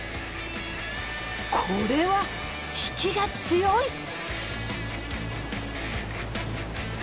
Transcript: これは引きが強い！